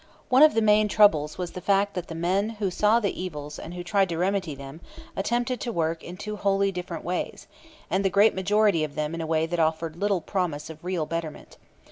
One of the main troubles was the fact that the men who saw the evils and who tried to remedy them attempted to work in two wholly different ways, and the great majority of them in a way that offered little promise of real betterment.